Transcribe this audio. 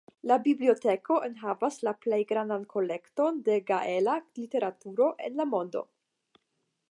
La biblioteko enhavas la plej grandan kolekton de gaela literaturo en la mondo.